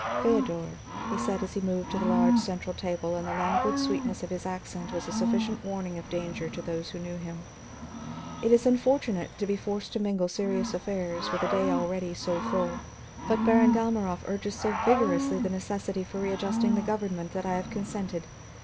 "Feodor," he said as he moved to the large central table, and the languid sweetness of his accent was a sufficient warning of danger to those who knew him, "it is unfortunate to be forced to mingle serious affairs with a day already so full, but Baron Dalmorov urges so vigorously the necessity for readjusting the government that I have consented.